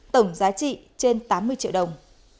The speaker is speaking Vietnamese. tổng giá trị trên tám mươi triệu đồng